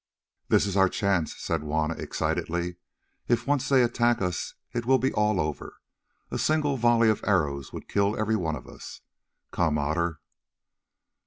"This is our chance," said Juanna excitedly. "If once they attack us it will be all over; a single volley of arrows would kill every one of us. Come, Otter."